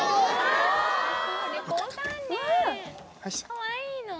かわいいの。